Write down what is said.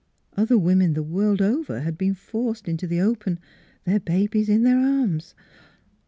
Other women the world over had been forced into the open, their babies in their arms.